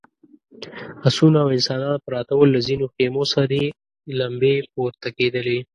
آسونه او انسانان پراته ول، له ځينو خيمو سرې لمبې پورته کېدلې….